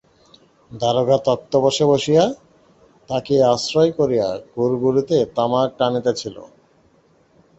দারোগা তক্তপোশে বসিয়া তাকিয়া আশ্রয় করিয়া গুড়গুড়িতে তামাক টানিতেছিল।